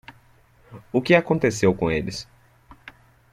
O que aconteceu com eles?